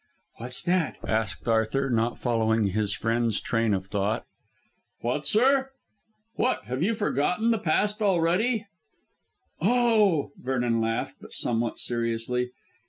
"What's that?" asked Sir Arthur, not following his friend's train of thought. "What, sir! What, have you forgotten the past already?" "Oh!" Vernon laughed, but somewhat seriously.